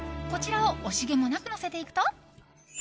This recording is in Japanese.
こちらを惜しげもなくのせていくと。